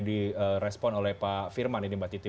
di respon oleh pak firman ini mbak citi